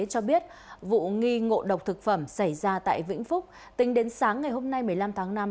cho biết vụ nghi ngộ độc thực phẩm xảy ra tại vĩnh phúc tính đến sáng ngày hôm nay một mươi năm tháng năm